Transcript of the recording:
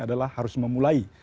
adalah harus memulai